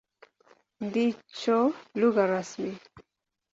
Ndicho lugha rasmi.